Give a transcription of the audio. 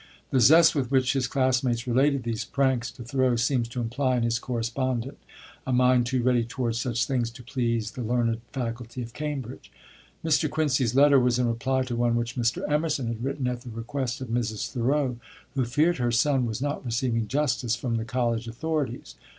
The zest with which his classmate related these pranks to Thoreau seems to imply in his correspondent a mind too ready towards such things to please the learned faculty of Cambridge. Mr. Quincy's letter was in reply to one which Mr. Emerson had written at the request of Mrs. Thoreau, who feared her son was not receiving justice from the college authorities.